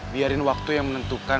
biarin waktu yang menentukan